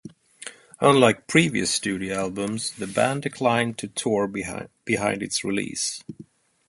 Unlike previous studio albums, the band declined to tour behind its release.